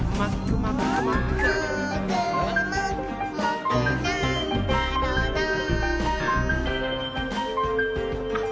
「もーくもくもくなんだろなぁ」